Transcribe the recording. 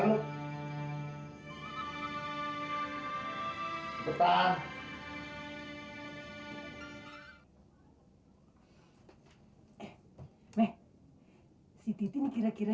iya dah yang penting komisinya raya